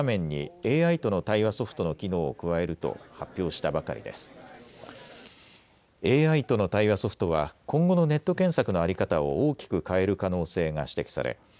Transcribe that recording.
ＡＩとの対話ソフトは今後のネット検索の在り方を大きく変える可能性が指摘され